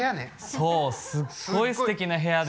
そうすっごいすてきな部屋で。